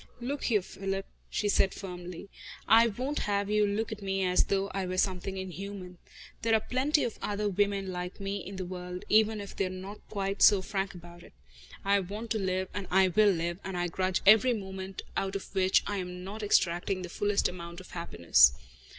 "Look here, Philip," she said firmly, "I won't have you look at me as though I were something inhuman. There are plenty of other women like me in the world, even if they are not quite so frank about it. I want to live, and I will live, and I grudge every moment out of which I am not extracting the fullest amount of happiness.